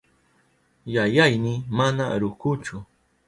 Yayayni mana rukuchu.